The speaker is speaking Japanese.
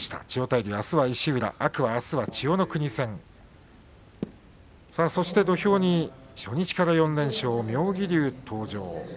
千代大龍、あすは石浦天空海は、あすは千代の国戦土俵に初日から４連勝の妙義龍登場